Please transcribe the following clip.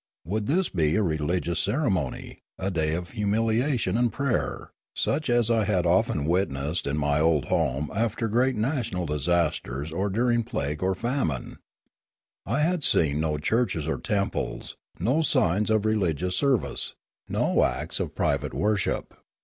Would this be a religious ceremony, a day of humiliation and prayer, such as I had often witnessed in my old home after great national disasters or during plague or famine ? I had seen no churches or temples, no signs of religious service, no acts of private worship.